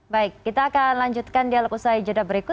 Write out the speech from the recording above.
baik kita akan lanjutkan dialog usaha ijadah berikut